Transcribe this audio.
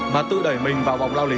và tự đẩy mình vào vòng lao lý